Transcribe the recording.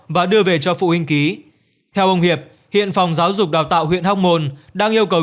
và đưa về cho phụ huynh ký theo ông hiệp hiện phòng giáo dục đào tạo huyện hóc môn đang yêu cầu